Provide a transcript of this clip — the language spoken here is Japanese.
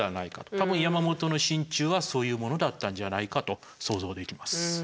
たぶん山本の心中はそういうものだったんじゃないかと想像できます。